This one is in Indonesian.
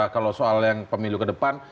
kalau soal yang pemilu ke depan